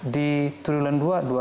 di tribulan dua dua tiga puluh satu